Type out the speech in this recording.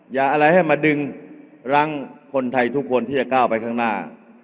อย่าอะไรให้มาดึงรั้งคนไทยทุกคนที่จะก้าวไปข้างหน้า